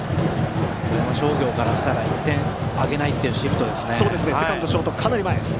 富山商業からしたら１点もあげないというシフトです。